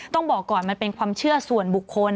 ต้องบอกก่อนมันเป็นความเชื่อส่วนบุคคล